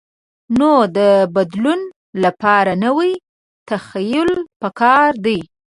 نو د بدلون لپاره نوی تخیل پکار دی.